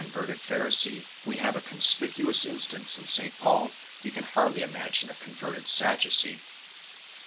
9 verted Pharisee we have a conspicuous instance in St Paul; we can hardly imagine a converted Sadducee.